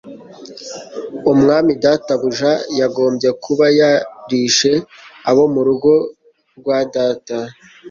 Umwami databuja yagombye kuba yarishe abo mu rugo rwa data